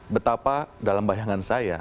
betapa dalam bayangan saya